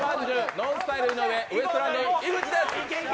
ＮＯＮＳＴＹＬＥ井上ウエストランド井口です。